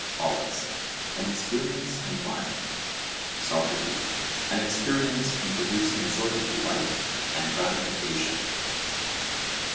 POLUS: An experience in what? SOCRATES: An experience in producing a sort of delight and gratification.